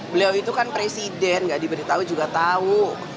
beliau itu kan presiden gak diberitahu juga tahu